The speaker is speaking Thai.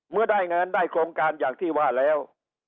เมื่อได้เงินได้โครงการอย่างที่ว่าแล้ว